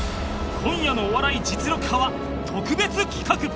今夜の『お笑い実力刃』は特別企画！